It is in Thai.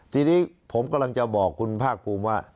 ทีนี้ผมกำลังจะบอกคุณภาคภูมิว่า